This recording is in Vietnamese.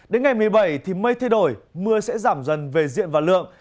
đến ngày một mươi bảy thì mây thay đổi mưa sẽ giảm dần về diện và lượng